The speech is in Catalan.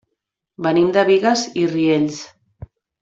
Venim de Bigues i Riells.